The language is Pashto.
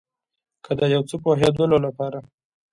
که د یو څه پوهیدلو لپاره